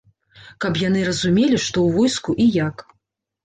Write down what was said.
Каб яны разумелі, што ў войску і як.